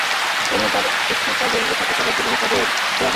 এমনকি তার রক্ষিতাদেরও তার সাথে জীবন্ত কবর দেওয়া হয়েছে!